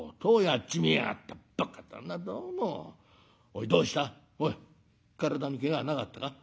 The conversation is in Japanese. おいどうしたおい体にけがはなかったか？